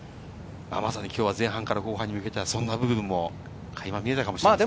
まさにきょうは前半から後半に向けてそんな部分も垣間見えたかもしれません。